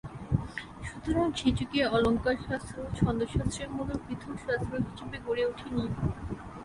সুতরাং সে যুগে অলঙ্কারশাস্ত্র ছন্দশাস্ত্রের মতো পৃথক শাস্ত্র হিসেবে গড়ে ওঠে নি।